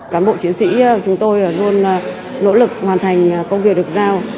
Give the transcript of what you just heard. cán bộ chiến sĩ chúng tôi luôn nỗ lực hoàn thành công việc được giao